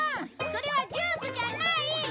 それはジュースじゃない！